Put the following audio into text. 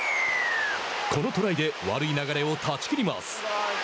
このトライで悪い流れを断ち切ります。